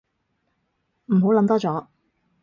唔好諗多咗